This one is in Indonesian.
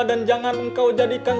dan jangan engkau jadikan